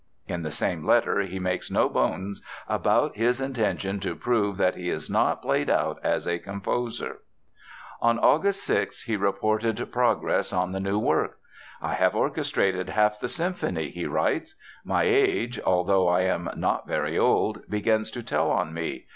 In the same letter he makes no bones about his intention to prove that he is not "played out as a composer." On August 6 he reported progress on the new work. "I have orchestrated half the symphony," he writes. "My age, although I am not very old, begins to tell on me.